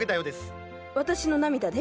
私の涙で？